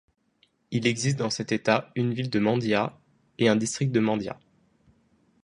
Il existe dans cet État une ville de Mandya et un district de Mandya.